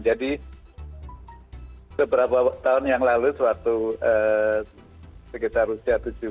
jadi beberapa tahun yang lalu sewaktu sekitar usia tujuh puluh satu tahun saya kena serangan jantung